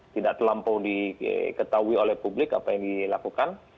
tidak terlampau diketahui oleh publik apa yang dilakukan